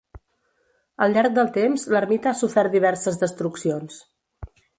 Al llarg del temps, l'ermita ha sofert diverses destruccions.